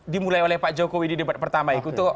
dimulai oleh pak jokowi di debat pertama